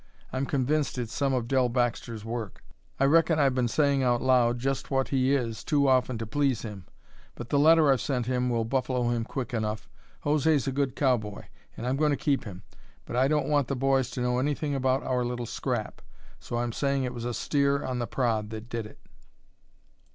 I'm convinced it's some of Dell Baxter's work. I reckon I've been saying out loud just what he is too often to please him. But the letter I've sent him will buffalo him quick enough. José's a good cowboy, and I'm going to keep him. But I don't want the boys to know anything about our little scrap. So I'm saying it was a steer on the prod that did it."